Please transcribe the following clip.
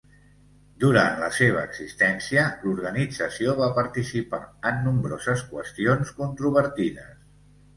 Durant la seva existència, l'organització va participar en nombroses qüestions controvertides.